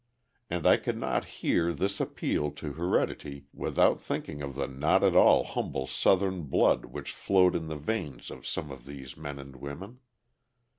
And I could not hear this appeal to heredity without thinking of the not at all humble Southern blood which flowed in the veins of some of these men and women.